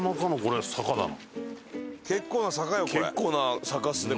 結構な坂っすね